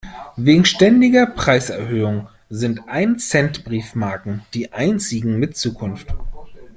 Wegen ständiger Preiserhöhungen sind Ein-Cent-Briefmarken die einzigen mit Zukunft.